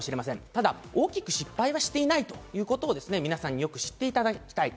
ただ大きく失敗はしていないということを皆さんよく知っていただきたい。